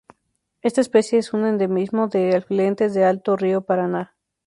Esta especie es un endemismo de afluentes del Alto río Paraná.